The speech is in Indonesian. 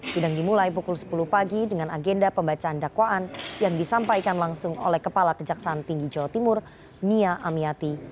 sidang dimulai pukul sepuluh pagi dengan agenda pembacaan dakwaan yang disampaikan langsung oleh kepala kejaksaan tinggi jawa timur nia amiati